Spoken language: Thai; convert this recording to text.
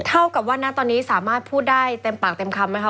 เท่ากับว่านะตอนนี้สามารถพูดได้เต็มปากเต็มคำไหมคะ